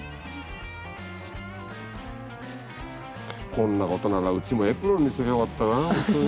こんなことならうちもエプロンにしときゃよかったなほんとに。